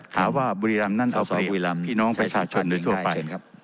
ถามว่าบุรีรัมป์นั้นเอาเปรียบพี่น้องประชาชนหรือทั่วไป